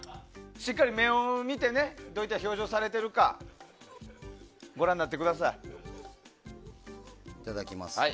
しっかり目を見てどういった表情をされてるかご覧になってください。いただきます。